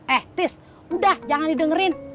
eh tis udah jangan didengerin